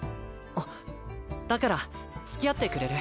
あっだから付き合ってくれる？